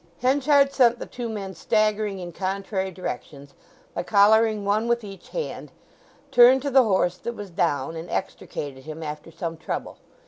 Henchard sent the two men staggering in contrary directions by collaring one with each hand, turned to the horse that was down, and extricated him after some trouble.